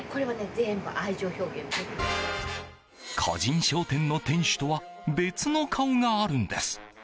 個人商店の店主とは別の顔があるんです。